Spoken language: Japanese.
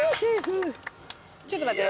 ちょっと待って。